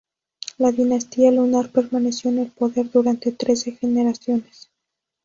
La dinastía lunar permaneció en el poder durante trece generaciones.